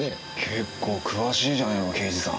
結構詳しいじゃないの刑事さん。